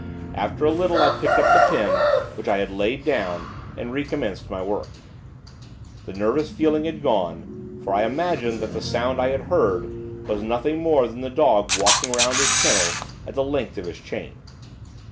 After a little, I picked up the pen, which I had laid down, and recommenced my work. The nervous feeling had gone; for I imagined that the sound I had heard, was nothing more than the dog walking 'round his kennel, at the length of his chain.